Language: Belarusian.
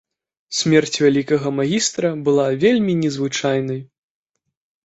Смерць вялікага магістра была вельмі незвычайнай.